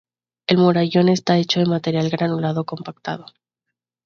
El murallón está hecho de material granulado compactado.